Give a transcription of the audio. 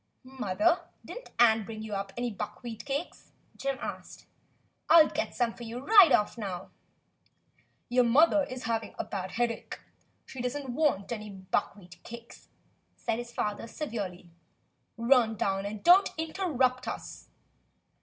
"Mother, did n't Ann bring you up any buck wheat cakes .^" Jim asked. "I'll get some for you right off now." "Your mother is having a bad headache. She does n't want any buckwheat cakes," said his father. "Run down and don't interrupt us."